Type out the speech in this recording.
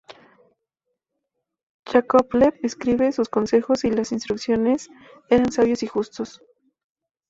Yakovlev escriben: "Sus consejos y las instrucciones eran sabios y justos".